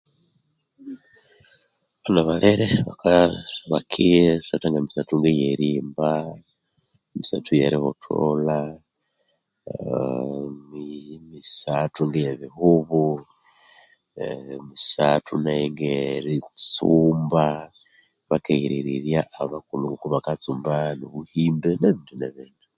Abana balherye bakegha erimba erihotholha emisathu eyo mupiira eritsumba nebindi nebindi